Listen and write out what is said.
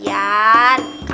kalau nggak dengar ya